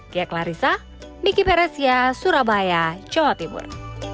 kia klarissa miki peresia surabaya jawa timur